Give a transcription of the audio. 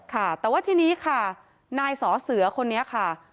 ค่ะแต่ว่าทีนี้ค่ะนายสอเสือคนนี้ค่ะ